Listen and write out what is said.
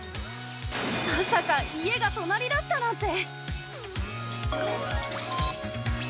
まさか、家が隣だったなんて！